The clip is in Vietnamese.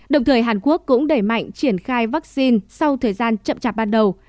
đồng thời hàn quốc cũng đẩy mạnh triển khai vaccine sau thời gian chậm chạp ban đầu